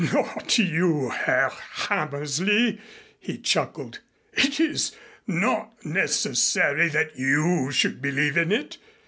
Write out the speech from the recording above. "Not you, Herr Hammersley," he chuckled. "It is not necessary that you should believe in it.